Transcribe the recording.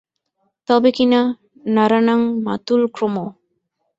তবে কিনা– নরাণাং মাতুলক্রমঃ।